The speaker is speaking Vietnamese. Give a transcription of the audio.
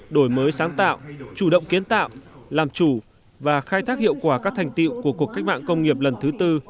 đổi mới sáng tạo chủ động kiến tạo làm chủ và khai thác hiệu quả các thành tiệu của cuộc cách mạng công nghiệp lần thứ tư